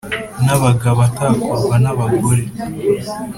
n’abagabo atakorwa na bagore